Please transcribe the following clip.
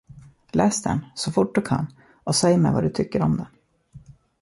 Läs den, så fort du kan, och säg mig vad du tycker om den!